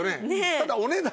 ただお値段。